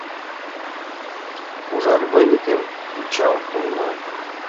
Ужар выньыкым кучал толна